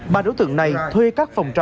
ba đối tượng này thuê các phòng trọ